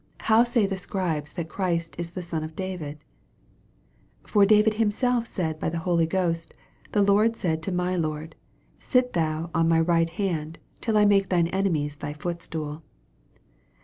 How eav the Scribes that Christ is the son of David ? 36 For David himself said by the Holy Ghost, The LORD said to my Lord, Sit thou on my right hand, till I make thine enemies thy footstool.